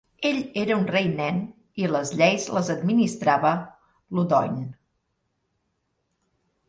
Ell era un rei nen i les lleis les administrava l"Audoin.